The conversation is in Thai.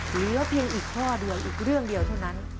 เหลือเพียงอีกข้อเดียวอีกเรื่องเดียวเท่านั้น